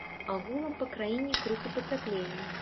Агулам па краіне крыху пацяплее.